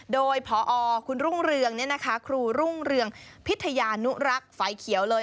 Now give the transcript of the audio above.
โดยพอคุณรุ่งเรืองครูรุ่งเรืองพิทยานุรักษ์ไฟเขียวเลย